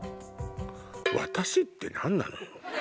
「私」って何なのよ！